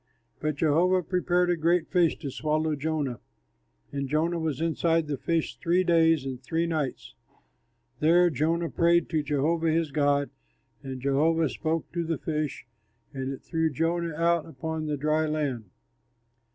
But Jehovah prepared a great fish to swallow Jonah, and Jonah was inside the fish three days and three nights. There Jonah prayed to Jehovah his God; and Jehovah spoke to the fish, and it threw Jonah out upon the dry land.